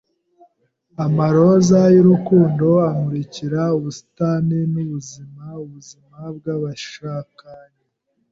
Amaroza y'urukundo amurikira ubusitani n'ubuzima. Ubuzima bw'abashakanye.